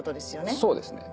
そうですね。